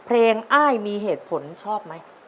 อ้ายมีเหตุผลชอบไหม